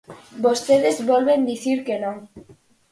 Vostedes volven dicir que non.